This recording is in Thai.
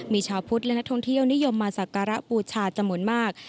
มีชาวพุทธและนักท่องเที่ยวนิยมมาสักการะบูชาจำนวนมาก